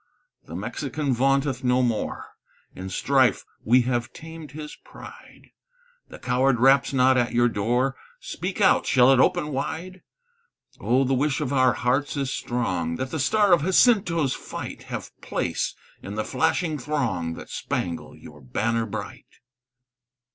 "The Mexican vaunteth no more; In strife we have tamed his pride; The coward raps not at your door, Speak out! shall it open wide? Oh, the wish of our hearts is strong, That the star of Jacinto's fight Have place in the flashing throng That spangle your banner bright."